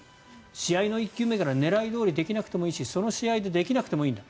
試合の１球目から狙いどおりできなくてもいいしその試合でできなくてもいいんだ